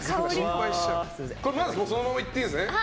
そのままいっていいんですね。